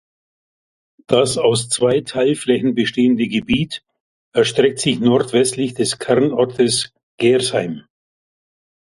Das aus zwei Teilflächen bestehende Gebiet erstreckt sich nordwestlich des Kernortes Gersheim.